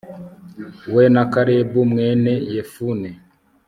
we, na kalebu mwene yefune